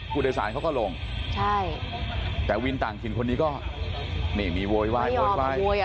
ผู้โดยศาลเขาก็ลงใช่แต่วินต่างถิ่นคนนี้ก็นี่มีโวยไวโวยไวไม่อ่อมีโวยอ่ะ